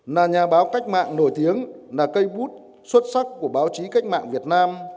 là nhà báo cách mạng nổi tiếng là cây bút xuất sắc của báo chí cách mạng việt nam